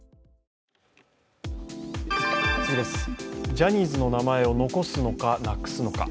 ジャニーズの名前を残すのか、なくすのか。